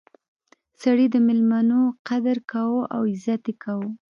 سړی د میلمنو قدر کاوه او عزت یې کاوه.